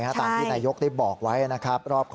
ตามที่นายกได้บอกไว้นะครับ